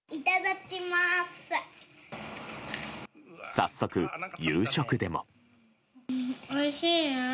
早速、夕食でも。